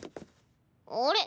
あれ？